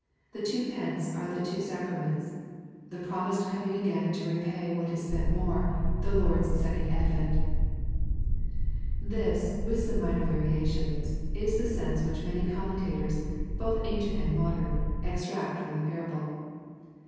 The two pence are the two sacraments. The promised coming again to repay what is spent more, the Lord's second advent This, with some minor variations, is the sense which many commentators, both ancient and modem, extract from the parable.